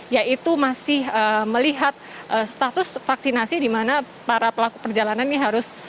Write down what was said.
yaitu masih melihat status vaksinasi di mana para pelaku perjalanan ini harus